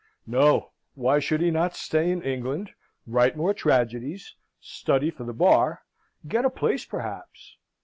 No. Why should he not stay in England, write more tragedies, study for the bar, get a place, perhaps?